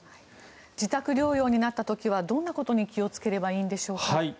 自宅療養になった時はどんなことに気をつければいいんでしょうか。